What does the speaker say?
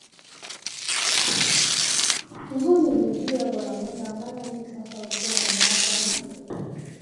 Huzuni ilimjaa bwana Mwenda ambaye umri sasa ulikua unamuacha na